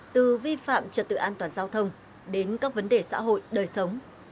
từ vi phạm trật tự an toàn giao thông đến các vấn đề xã hội đời sống